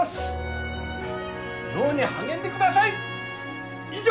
漁に励んでください！以上！